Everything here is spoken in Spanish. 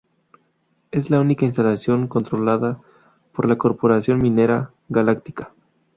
Es la única instalación controlada por la corporación Minería Galáctica.